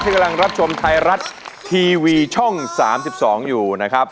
กำลังรับชมไทยรัฐทีวีช่อง๓๒อยู่นะครับ